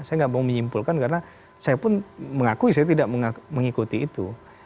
saya nggak mau menyimpulkan karena saya pun mengakui saya tidak mengikuti itu